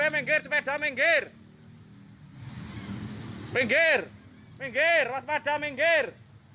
minggir minggir waspada minggir